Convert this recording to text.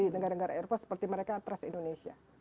tapi dari negara negara eropa seperti mereka trust indonesia